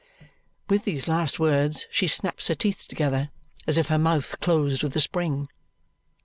With these last words she snaps her teeth together as if her mouth closed with a spring.